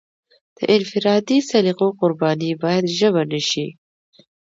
د انفرادي سلیقو قرباني باید ژبه نشي.